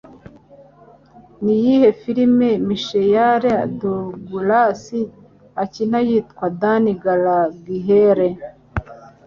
Ni iyihe filime Michael Douglas akina yitwa Dan Gallagher?